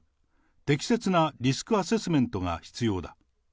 適切なリスクアセスメントが必要だ。